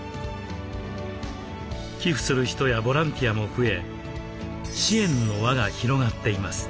寄付する人やボランティアも増え支援の輪が広がっています。